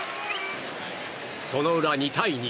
その裏、２対２。